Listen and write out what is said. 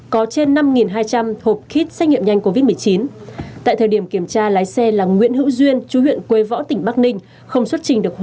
có trên năm hai trăm linh hộp khít xét nghiệm nhanh covid một mươi chín